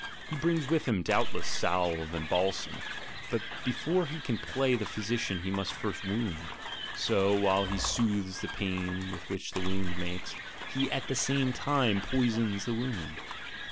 He brings with him, doubtless, salve and balsam; but before he can play the physician he must first wound; so, while he soothes the pain which the wound makes, he at the same time poisons the wound.